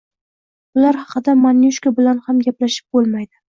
Bular haqida Manyushka bilan ham gaplashib boʻlmaydi.